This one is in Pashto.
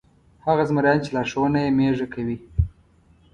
هغه زمریان چې لارښوونه یې مېږه کوي.